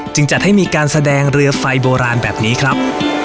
จัดให้มีการแสดงเรือไฟโบราณแบบนี้ครับ